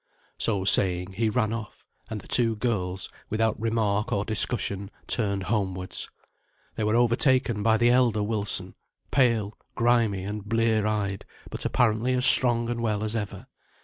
So saying, he ran off; and the two girls, without remark or discussion, turned homewards. They were overtaken by the elder Wilson, pale, grimy, and blear eyed, but apparently as strong and well as ever.